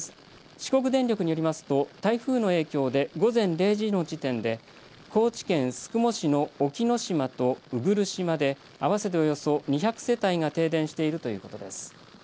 四国電力によりますと台風の影響で午前０時の時点で高知県宿毛市の沖ノ島と鵜来島で合わせておよそ２００世帯が停電しているということです。